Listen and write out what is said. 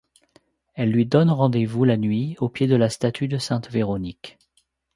Elle lui donne rendez-vous la nuit au pied de la statue de sainte Véronique.